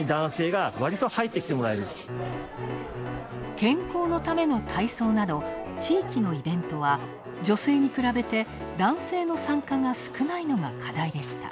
健康のための体操など、地域のイベントは女性に比べて男性の参加が少ないのが課題でした。